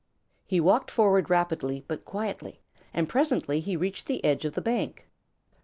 He walked forward rapidly but quietly, and presently he reached the edge of the bank.